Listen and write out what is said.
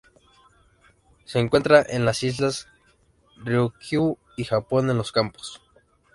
Se encuentra en las islas Ryukyu y Japón en los campos.